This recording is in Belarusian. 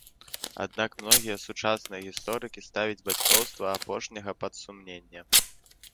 Аднак многія сучасныя гісторыкі ставіць бацькоўства апошняга пад сумненне.